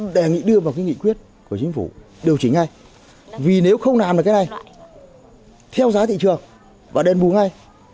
đề nghị đưa vào cái nghị quyết của chính phủ điều chỉnh ngay vì nếu không làm được cái này theo giá thị trường và đền bù ngay